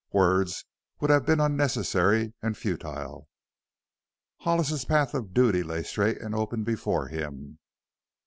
Words would have been unnecessary and futile. Hollis's path of duty lay straight and open before him.